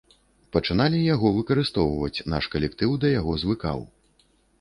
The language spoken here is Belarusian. Пачыналі яго выкарыстоўваць, наш калектыў да яго звыкаў.